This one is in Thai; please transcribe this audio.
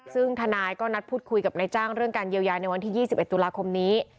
ซึ่งทนายก็นัดพูดคุยกับนายจ้างเรื่องการเยียวยาในวันที่๒๑ตุลาคมนี้